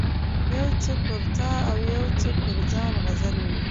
یو څه پر تا او یو څه پر ځان غزل ولیکم.